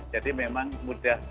jadi memang mudah